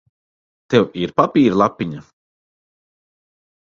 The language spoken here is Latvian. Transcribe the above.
Tev ir papīra lapiņa?